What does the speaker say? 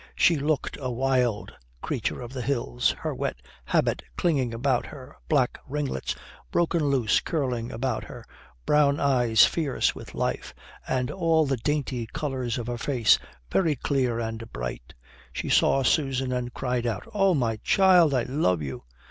She looked a wild creature of the hills, her wet habit clinging about her, black ringlets broken loose curling about her, brown eyes fierce with life, and all the dainty colours of her face very clear and bright. She saw Susan and cried out, "Oh, my child, I love you."